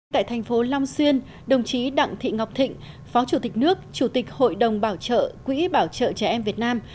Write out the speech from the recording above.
tại thành phố long xuyên đồng chí đặng thị ngọc thịnh phó chủ tịch nước chủ tịch hội đồng bảo trợ quỹ bảo trợ trẻ em việt nam